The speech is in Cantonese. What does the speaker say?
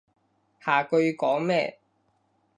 下句要講咩？